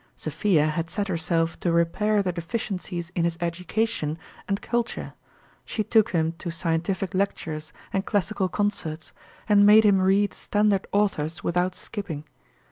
Sophia had set her self to repair the deficiencies in his education and culture ; she took him to scientific lectures and classical concerts, and made him read standard authors without skipping.